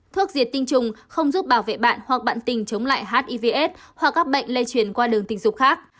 thuốc diệt tinh trùng không giúp bảo vệ bạn hoặc bạn tình chống lại hivs hoặc các bệnh lây chuyển qua đường tình dục khác